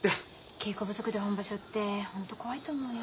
稽古不足で本場所ってホント怖いと思うよ。